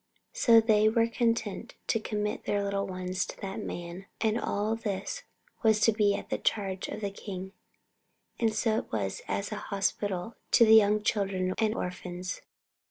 So they were content to commit their little ones to that Man, and all this was to be at the charge of the King, and so it was as a hospital to young children and orphans."